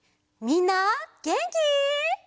みんなげんき？